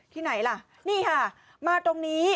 ที่ไหนล่ะนี่ค่ะมาตรงนี้